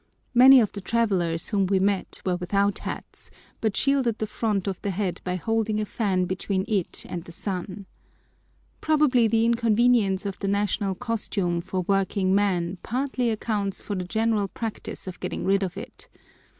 Many of the travellers whom we met were without hats, but shielded the front of the head by holding a fan between it and the sun. Probably the inconvenience of the national costume for working men partly accounts for the general practice of getting rid of it.